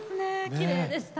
きれいでしたね。